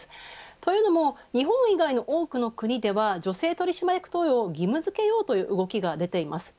というのも日本以外の多くの国では女性取締役登用を義務付けようという動きが出ています。